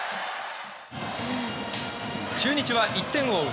中日は１点を追う